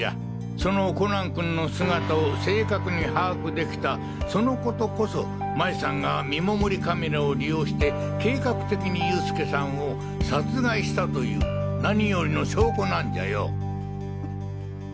そのコナン君の姿を正確に把握できたその事こそ麻衣さんが見守りカメラを利用して計画的に佑助さんを殺害したという何よりの証拠なんじゃよ。